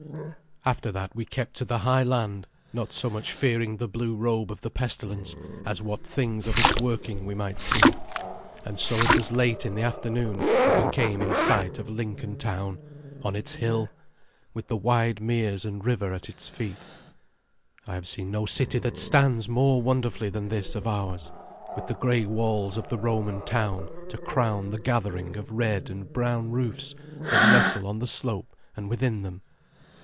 After that we kept to the high land, not so much fearing the blue robe of the pestilence as what things of its working we might see; and so it was late in the afternoon that we came in sight of Lincoln town, on its hill, with the wide meres and river at its feet. I have seen no city that stands more wonderfully than this of ours, with the grey walls of the Roman town to crown the gathering of red and brown roofs that nestle on the slope and within them.